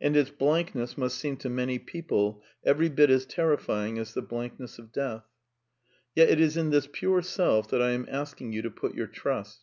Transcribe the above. And its blankness must seem to many peo ple every bit as terrifying as the blankness of death. Yet it is in this pure self that I am asking you to put your trust.